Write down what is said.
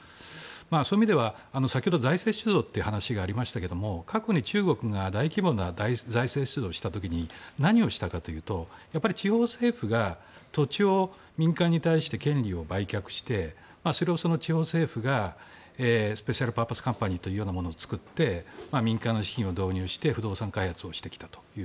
そういう意味では財政出動の話がありましたが過去に中国が大規模な財政出動をした時に何をしたかというと地方政府が、土地を民間に対して権利を売却してそれを地方政府がスペシャルパーパスカンパニーというようなものを作って民間の資金を導入して不動産開発をしてきたと。